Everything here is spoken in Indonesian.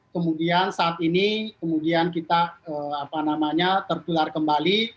kemudian saat ini kemudian kita apa namanya tertular kembali